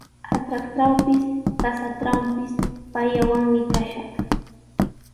Atraqtrawpis, qasatrawpis payllawanmi kashaq.